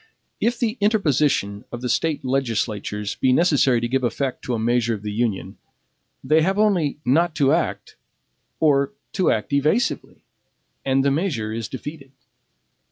If the interposition of the State legislatures be necessary to give effect to a measure of the Union, they have only NOT TO ACT, or TO ACT EVASIVELY, and the measure is defeated.